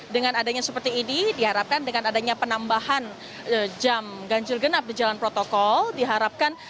dengan adanya seperti ini diharapkan dengan adanya penambahan jam ganjil genap di jalan protokol diharapkan